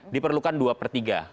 diperlukan dua per tiga